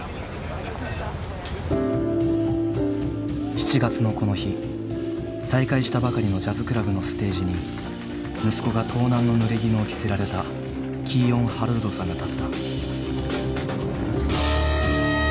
７月のこの日再開したばかりのジャズクラブのステージに息子が盗難のぬれぎぬを着せられたキーヨン・ハロルドさんが立った。